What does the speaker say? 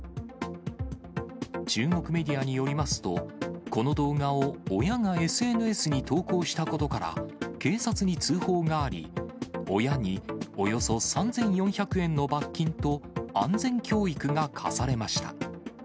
中国メディアによりますと、この動画を親がＳＮＳに投稿したことから、警察に通報があり、親におよそ３４００円の罰金と、安全教育が課されました。